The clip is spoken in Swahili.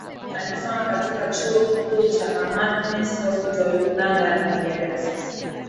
Alisoma katika chuo kikuu cha Hamathmiss Hospital London Uingereza